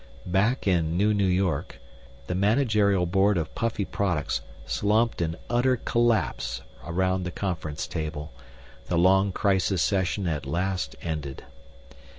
Back in NewNew York, the managerial board of Puffy Products slumped in utter collapse around the conference table, the long crisis session at last ended.